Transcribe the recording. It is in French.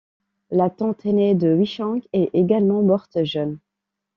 La tante aînée de Huisheng est également morte jeune.